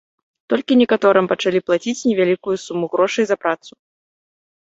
Толькі некаторым пачалі плаціць невялікую суму грошай за працу.